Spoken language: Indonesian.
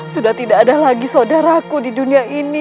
sudah tidak ada lagi saudaraku di dunia ini